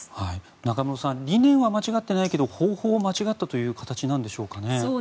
中室さん理念は間違ってないけど方法を間違ったという形なんでしょうかね？